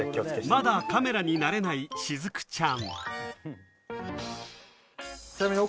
まだカメラに慣れない雫ちゃん。